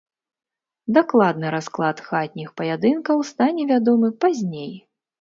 Дакладны расклад хатніх паядынкаў стане вядомы пазней.